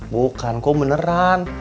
bukan kok beneran